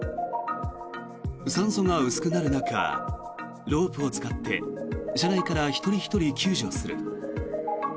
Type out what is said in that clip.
酸素が薄くなる中ロープを使って車内から一人ひとり救助をする。